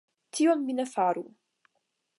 Tion mi ne faru.